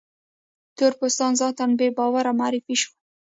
تور پوستان ذاتاً بې باوره معرفي شول.